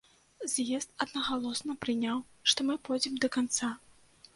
З'езд аднагалосна прыняў, што мы пойдзем да канца.